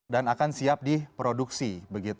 dan akan siap diproduksi